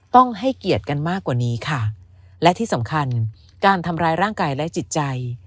ต้องให้เกียรติกันมากกว่านี้ค่ะและที่สำคัญการทำร้ายร่างกายและจิตใจ